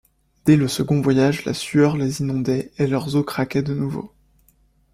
Dès le second voyage, la sueur les inondait et leurs os craquaient de nouveau.